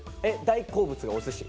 大好物がお寿司？